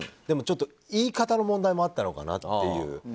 でも、言い方の問題もあったのかなっていう。